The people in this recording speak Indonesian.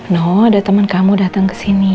no ada teman kamu datang kesini